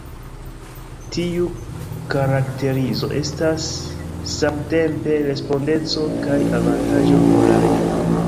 Tiu karakterizo estas samtempe respondeco kaj avantaĝo por la revuo.